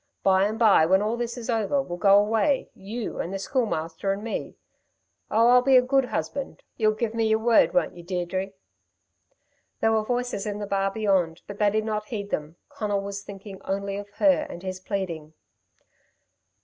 By and by when this is all over, we'll go away you and the Schoolmaster and me. Oh, I'll be a good husband. You'll give me y'r word, won't you, Deirdre?" There were voices in the bar beyond, but they did not heed them. Conal was thinking only of her and his pleading.